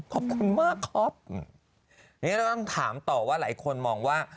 ขอบคุณมากครับนี่เราต้องถามต่อว่าหลายคนมองว่า